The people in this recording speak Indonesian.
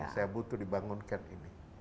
saya butuh dibangunkan ini